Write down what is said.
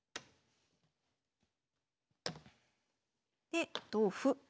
で同歩。